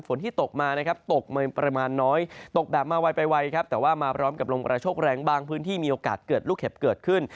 ที่ตกมานะครับตกมาประมาณน้อยตกแบบมาไวไปไวครับแต่ว่ามาพร้อมกับลมกระโชคแรงบางพื้นที่มีโอกาสเกิดลูกเห็บเกิดขึ้น